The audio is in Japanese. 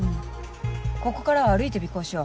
ここからは歩いて尾行しよう。